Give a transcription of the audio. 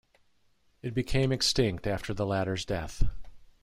It became extinct after the latter's death.